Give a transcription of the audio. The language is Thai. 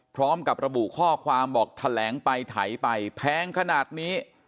พร้อมกับระบุข้อความบอกแถลงไปไถไปแพงขนาดนี้